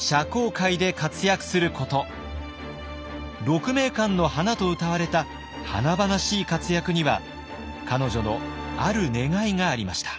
鹿鳴館の華とうたわれた華々しい活躍には彼女のある願いがありました。